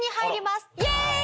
イエーイ！